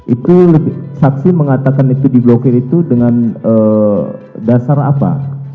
itu saksi mengatakan itu diblokir itu dengan dasar apa